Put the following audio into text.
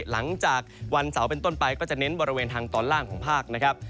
หลังจากวันเสาร์เป็นต้นไปก็จะเน้นบริเวณทางตอนล่างของภาคนะครับ